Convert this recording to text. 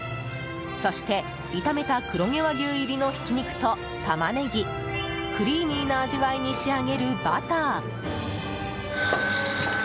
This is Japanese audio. そして炒めた黒毛和牛入りのひき肉とタマネギクリーミーな味わいに仕上げるバター。